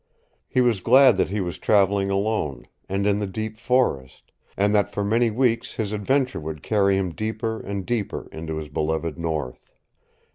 He was glad that he was traveling alone, and in the deep forest, and that for many weeks his adventure would carry him deeper and deeper into his beloved north.